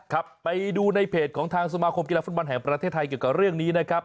ครับไปดูในเพจของทางสมาคมกีฬาฟุตบอลแห่งประเทศไทยเกี่ยวกับเรื่องนี้นะครับ